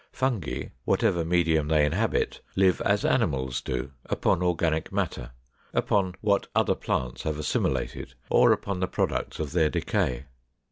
Fungi, whatever medium they inhabit, live as animals do, upon organic matter, upon what other plants have assimilated, or upon the products of their decay.